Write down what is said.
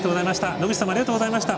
野口さんもありがとうございました。